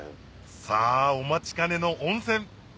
さぁお待ちかねの温泉